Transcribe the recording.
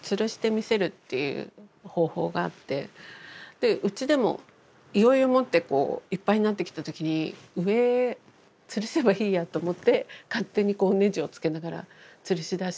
でうちでもいよいよもってこういっぱいになってきた時に上つるせばいいやと思って勝手にネジを付けながらつるしだして。